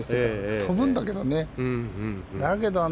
飛ぶんだけどね。